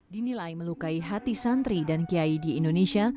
dinilai melukai hati santri dan kiai di indonesia